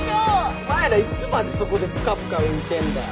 お前らいつまでそこでぷかぷか浮いてんだよ。